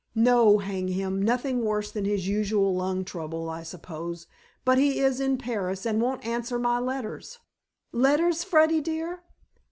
"No, hang him; nothing worse than his usual lung trouble, I suppose. But he is in Paris, and won't answer my letters." "Letters, Freddy dear."